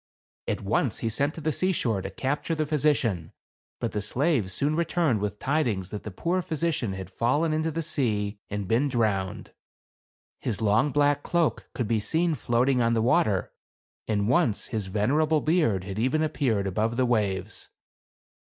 At once he sent to the seashore to capture the physician ; but the slaves soon returned with tidings that the poor physi cian had fallen into the sea and been drowned ; his long black cloak could be seen floating on the water, and once his venerable beard had even ap peared above the waves.